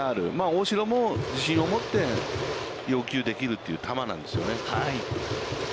大城も自信を持って要求できるという球なんですよね。